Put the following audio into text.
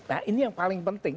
nah ini yang paling penting